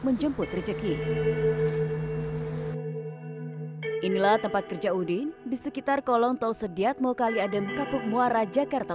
menjemput rejeki inilah tempat kerja udin di sekitar kolong tol sediatmo kali adem kapuk muara jakarta